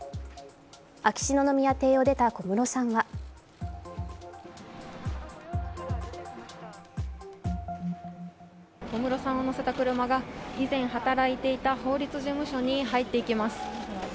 秋篠宮邸を出た小室さんは小室さんを乗せた車が、以前働いていた法律事務所に入っていきます。